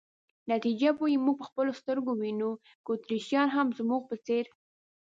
نتیجه به یې موږ په خپلو سترګو وینو، که اتریشیان هم زموږ په څېر.